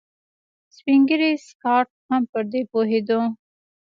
سپين ږيری سکاټ هم پر دې پوهېده.